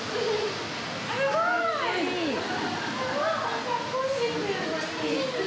すごい！かっこいい！